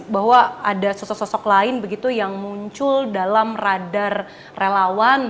bahwa ada sosok sosok lain begitu yang muncul dalam radar relawan